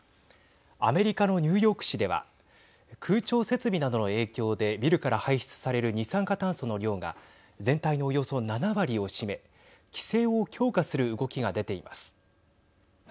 アメリカのニューヨーク市では空調設備などの影響でビルから排出される二酸化炭素の量が全体のおよそ７割を占め規制を強化する動きが出ています。